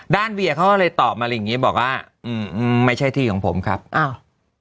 ด้านเบียร์เขาเลยตอบมาแบบนี้บอกว่าอืมอืมไม่ใช่ที่ของผมครับอ้าว